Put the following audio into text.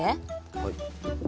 はい。